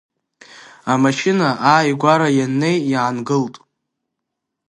Амашьына ааигәара ианнеи иаангылт.